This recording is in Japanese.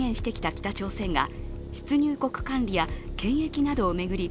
北朝鮮が出入国管理や検疫などを巡り